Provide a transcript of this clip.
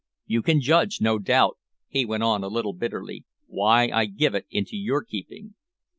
You can judge, no doubt," he went on a little bitterly, "why I give it into your keeping.